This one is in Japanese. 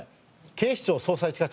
『警視庁・捜査一課